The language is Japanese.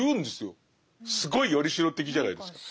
すごい依代的じゃないですか？